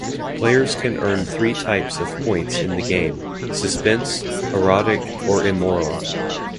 Players can earn three types of points in the game; "Suspense", "Erotic", or "Immoral".